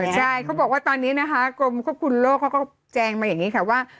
ใช่เขาบอกว่าตอนนี้นะคะกรมควบคุมโลกเขาก็แจงมาอย่างนี้ค่ะว่า